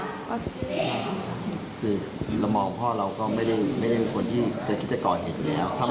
คือละมองของพ่อเราก็ไม่ได้เป็นคนที่จะกิจกรเหตุอยู่แล้ว